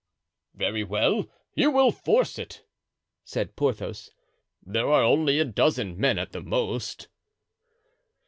"Very well, you will force it," said Porthos. "There are only a dozen men at the most."